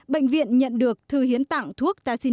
bệnh viện nhận được thư hiến tặng thuốc tarsina